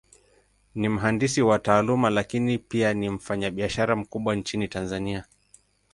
Ni mhandisi kwa Taaluma, Lakini pia ni mfanyabiashara mkubwa Nchini Tanzania.